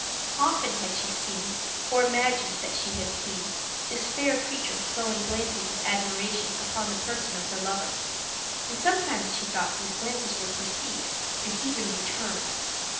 Often had she seen, or imagined that she had seen, this fair creature throwing glances of admiration upon the person of her lover, and sometimes she thought these glances were perceived, and even returned.